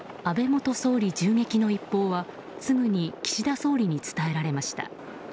元総理銃撃の一報はすぐに岸田総理に伝えられました。